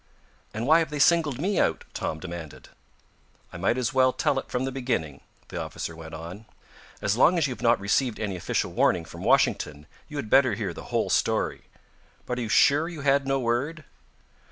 "And why have they singled me out?" Tom demanded. "I might as well tell it from the beginning," the officer went on. "As long as you have not received any official warning from Washington you had better hear the whole story. But are you sure you had no word?"